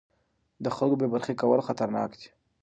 د خلکو بې برخې کول خطرناک دي